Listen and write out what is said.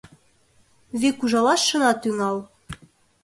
Вик ужалаш шына тӱҥал.